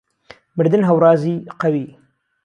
مردن ههورازی قەوی